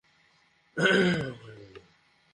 আমাকে চুমু দিয়েছে, এমএস।